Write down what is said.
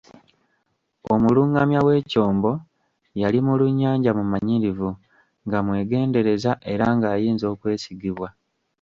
Omulungamya w'ekyombo, yali mulunnyanja mumanyirivu, nga mwegendereza, era ng'ayinza okwesigibwa.